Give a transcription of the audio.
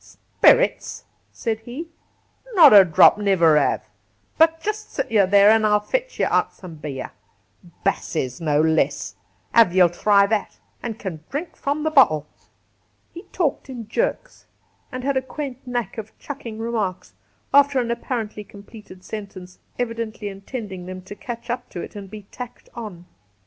' Spirits !' said he ;' not a drop, an' niver have ; but jist sit ye where ye are, an' I'll fetch ye out some beer — Bass's, no less, ay ye'U thry that ; an^l can dhrink from the bottle.' He talked in jerks, and had a quaint knack of chucking remarks after an apparently completed sentence, evidently intending them to catch up to it and be tacked on.